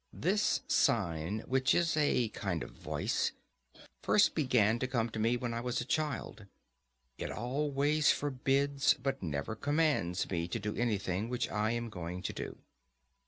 This sign, which is a kind of voice, first began to come to me when I was a child; it always forbids but never commands me to do anything which I am going to do.